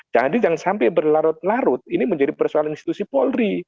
jadi jangan sampai berlarut larut ini menjadi persoalan institusi polri